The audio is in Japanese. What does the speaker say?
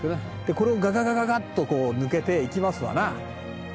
これをガガガガガッと抜けて行きますわな。